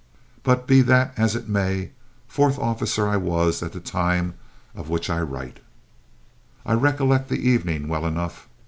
But, be that as it may, fourth officer I was at the time of which I write. I recollect the evening well enough.